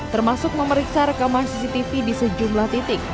termasuk memeriksa rekaman cctv di sejumlah titik